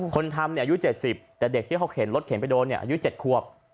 คนทำอายุ๗๐แต่เด็กที่เขาเข็นรถเข็นไปโดนอายุ๗ควบ